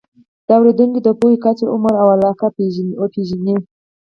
د اورېدونکو د پوهې کچه، عمر او علاقه وپېژنئ.